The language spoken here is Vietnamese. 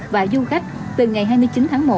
và du khách từ ngày hai mươi chín tháng một